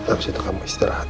abis itu kamu istirahat